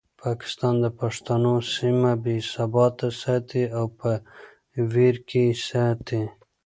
پاکستان د پښتنو سیمه بې ثباته ساتي او په ویر کې یې ساتي.